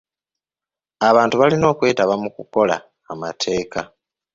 Abantu balina okwetaba mu kukola amateeka.